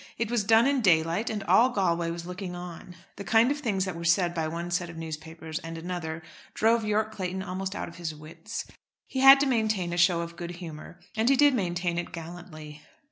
It was done in daylight, and all Galway was looking on. The kind of things that were said by one set of newspapers and another drove Yorke Clayton almost out of his wits. He had to maintain a show of good humour, and he did maintain it gallantly.